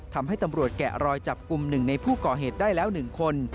ทำให้ตำรวจแกะรอยจับกลุ่ม๑ในผู้ก่อเหตุได้แล้ว๑คน